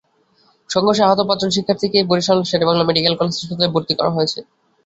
সংঘর্ষে আহত পাঁচজন শিক্ষার্থীকে বরিশাল শেরেবাংলা মেডিকেল কলেজ হাসপাতালে ভর্তি করা হয়েছে।